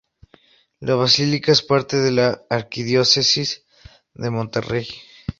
La basílica es parte de la Arquidiócesis de Monterrey.